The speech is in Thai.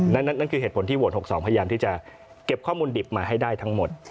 นั่นคือเหตุผลที่โหวต๖๒พยายามที่จะเก็บข้อมูลดิบมาให้ได้ทั้งหมด